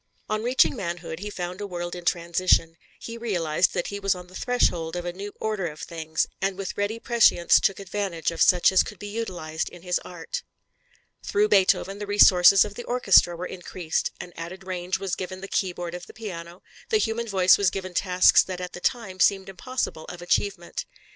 On reaching manhood, he found a world in transition; he realized that he was on the threshold of a new order of things, and with ready prescience took advantage of such as could be utilized in his art. Through Beethoven the resources of the orchestra were increased, an added range was given the keyboard of the piano, the human voice was given tasks that at the time seemed impossible of achievement.